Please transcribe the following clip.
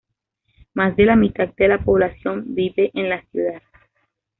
Más de la mitad de la población vive en la ciudad.